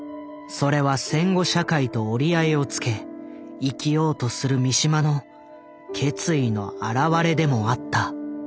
それは戦後社会と折り合いをつけ生きようとする三島の決意の表れでもあった。